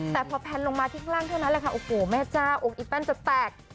แต่พอแพลนลงมาที่ข้างล่างเท่านั้นแหละค่ะโอ้โหแม่จ้าองค์อีแป้นจะแตก